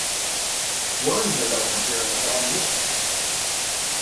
Wormser doesn't appear in the film either.